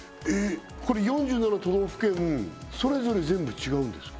これ４７都道府県それぞれ全部違うんですか